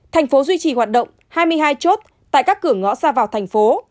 thành phố duy trì hoạt động hai mươi hai chốt tại các cửa ngõ ra vào thành phố